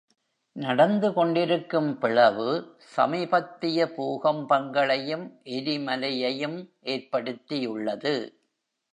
நடந்துகொண்டிருக்கும் பிளவு சமீபத்திய பூகம்பங்களையும் எரிமலையையும் ஏற்படுத்தியுள்ளது.